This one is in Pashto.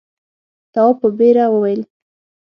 تواب په بېره وویل.